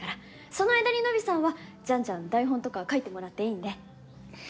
その間に野比さんはじゃんじゃん台本とか書いてもらっていいんで。